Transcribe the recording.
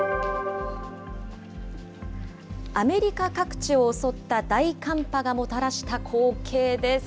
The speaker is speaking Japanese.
アメリカ各地を襲った大寒波がもたらした光景です。